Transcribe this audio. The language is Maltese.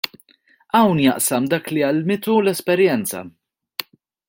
Hawn jaqsam dak li għallmitu l-esperjenza.